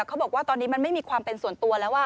เขาบอกว่าตอนนี้มันไม่มีความเป็นส่วนตัวแล้ว